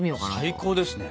最高ですね。